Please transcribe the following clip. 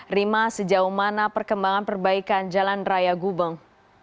rima sejauh mana perkembangan perbaikan jalan raya gubeng